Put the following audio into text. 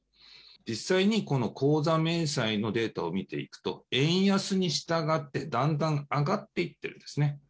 実際にこの口座明細のデータを見ていくと、円安に従ってだんだん上がっていってるんですね。